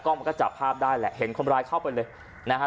มันก็จับภาพได้แหละเห็นคนร้ายเข้าไปเลยนะฮะ